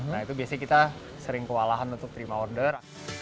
nah itu biasanya kita sering kewalahan untuk terima order